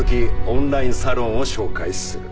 オンラインサロンを紹介する。